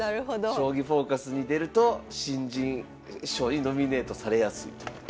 「将棋フォーカス」に出ると新人賞にノミネートされやすいという。